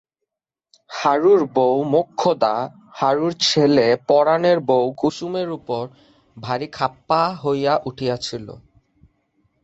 হারুর বৌ মোক্ষদা হারুর ছেলে পরাণের বৌ কুসুমের উপর ভারি খাপ্পা হইয়া উঠিয়াছিল।